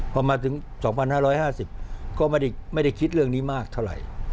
พอมาถึง๒๕๕๐ก็ไม่ได้คิดเรื่องนี้มากเท่าไหร่